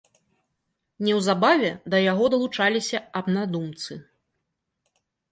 Неўзабаве да яго далучаліся аднадумцы.